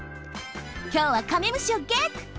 きょうはカメムシをゲット！